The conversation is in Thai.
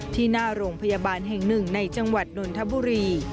ที่หน้าโรงพยาบาลแห่งหนึ่งในจังหวัดนนทบุรี